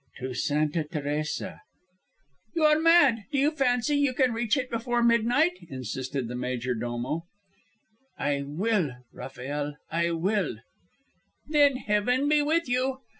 "To Santa Teresa." "You are mad. Do you fancy you can reach it before midnight?" insisted the major domo. "I will, Rafael; I will." "Then Heaven be with you."